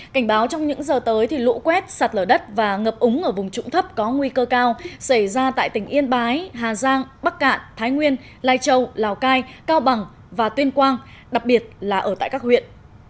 cảnh báo trong những giờ tới thì lũ quét sạt lở đất và ngập úng ở vùng trụng thấp có nguy cơ cao xảy ra tại tỉnh yên bái hà giang bắc cạn thái nguyên lai châu lào cai cao bằng và tuyên quang đặc biệt là ở tại các huyện